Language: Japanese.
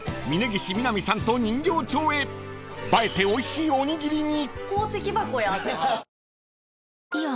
［映えておいしいおにぎりに］